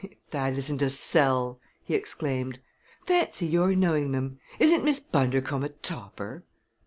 "If that isn't a sell!" he exclaimed. "Fancy your knowing them! Isn't Miss Bundercombe a topper!"